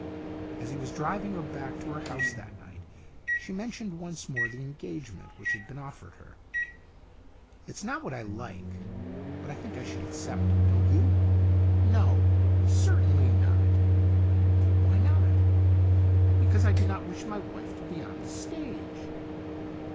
As he was driving her back to her house that night, she mentioned once more the engagement which had been offered her. " It's not what I like, but I think I should accept it, don't you ?"" No, certainly not." "Why not?" " Because I do not wish my wife to be on the stage."